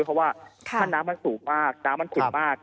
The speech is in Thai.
เพราะว่าถ้าน้ำมันสูงมากน้ำมันขุ่นมาก